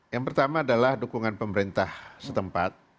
yang pertama adalah dukungan pemerintah setempat